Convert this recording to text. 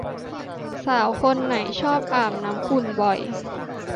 สาวคนไหนชอบอาบน้ำอุ่นบ่อย